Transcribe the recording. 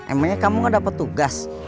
emangnya kamu gak dapat tugas